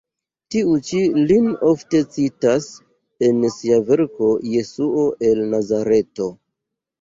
Tiu ĉi lin ofte citas en sia verko Jesuo el Nazareto.